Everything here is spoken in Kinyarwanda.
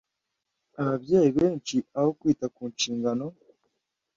Ababyeyi benshi, aho kwita ku nshingano